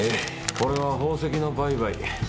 これは宝石の売買。